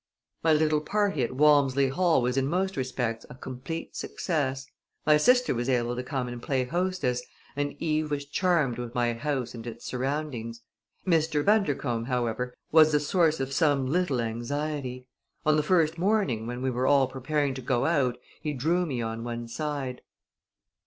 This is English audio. My little party at Walmsley Hall was in most respects a complete success. My sister was able to come and play hostess, and Eve was charmed with my house and its surroundings. Mr. Bundercombe, however, was a source of some little anxiety. On the first morning, when we were all preparing to go out, he drew me on one side.